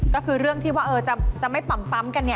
ก็คือเรื่องที่ว่าเออจะไม่ปั๊มกันนี่